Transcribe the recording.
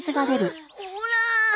ほら。